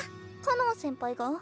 かのん先輩が？